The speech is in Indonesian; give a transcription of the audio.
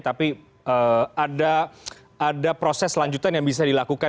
tapi ada proses lanjutan yang bisa dilakukan